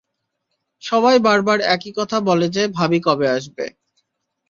সবাই বারবার একই কথা বলে যে ভাবি কবে আসবে।